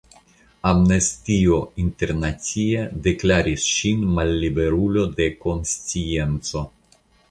Amnestio Internacia deklaris ŝin malliberulo de konscienco.